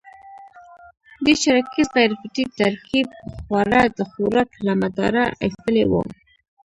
درې چارکیز غیر فطري ترکیب خواړه د خوراک له مداره اېستلي وو.